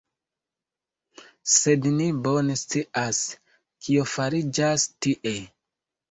Sed ni bone scias, kio fariĝas tie.